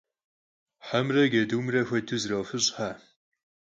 Hemre cedumre xuedeu zerofış'xer.